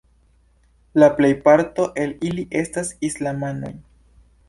La plejparto el ili estas islamanoj.